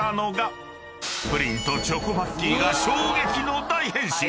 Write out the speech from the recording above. ［プリンとチョコバッキーが衝撃の大変身！］